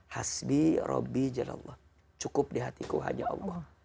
hasbi rabbi jallallah cukup di hatiku hanya allah